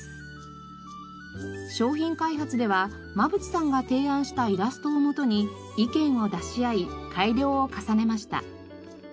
商品開発では馬渕さんが提案したイラストをもとに意見を出し合い改良を重ねました。